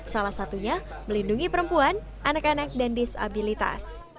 salah satunya melindungi perempuan anak anak dan disabilitas